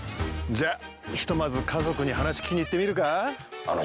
じゃあひとまず家族に話聞きに行ってみるか？